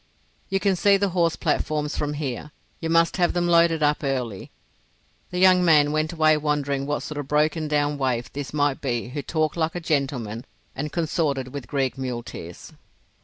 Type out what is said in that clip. "You can see the horse platforms from here. You must have them loaded up early." The young man went away wondering what sort of broken down waif this might be who talked like a gentleman and consorted with Greek muleteers.